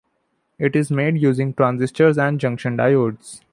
It is made using transistors and junction diodes.